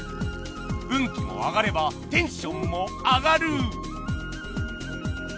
運気も上がればテンションも上がる！